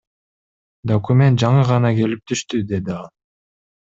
Документ жаңы гана келип түштү, — деди ал.